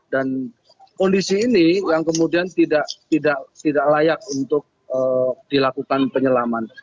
dan kondisi ini yang kemudian tidak layak untuk dilakukan penyelaman